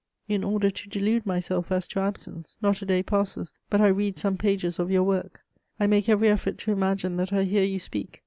In order to delude myself as to absence, not a day passes but I read some pages of your work: I make every effort to imagine that I hear you speak.